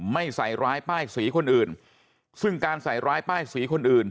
ไม่ใส่ร้ายป้ายสีคนอื่นซึ่งการใส่ร้ายป้ายสีคนอื่น